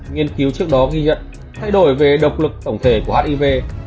nghiên cứu trước đó ghi nhận thay đổi về độc lực tổng thể của hiv